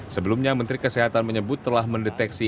sebelumnya menteri kesehatan menyebut telah mendeteksi